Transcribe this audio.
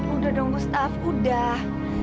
udah dong gustaf udah